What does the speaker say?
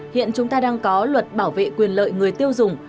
hiện chúng ta đang có luật bảo vệ quyền lợi người tiêu dùng